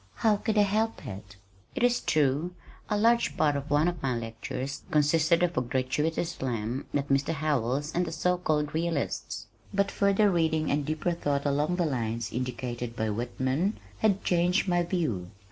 How could I help it? It is true a large part of one of my lectures consisted of a gratuitous slam at "Mr. Howells and the so called realists," but further reading and deeper thought along the lines indicated by Whitman, had changed my view.